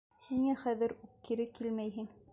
Ниңә хәҙер үк кире килмәйһең?